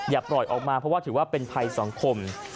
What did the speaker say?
อย่าปล่อยออกมาเพราะว่าถือว่าเป็นภัยสังคม